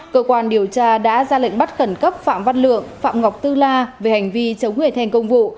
cơ quan điều tra đã ra lệnh bắt khẩn cấp phạm văn lượng phạm ngọc tư la về hành vi chống người thành công vụ